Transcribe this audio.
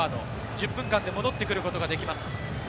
１０分間で戻ってくることができます。